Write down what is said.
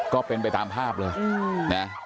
ก็เป็นไปตามภาพเลยนะ